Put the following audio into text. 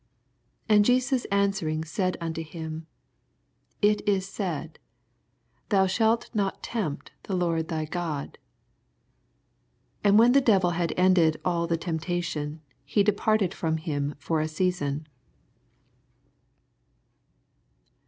12 And Jesus answering said unto him. It is said. Thou shalt not tempt the Lord thy God. 13 And when the devil had ended aU the temptation, he departed from him for a season.